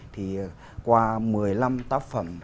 thì qua một mươi năm tác phẩm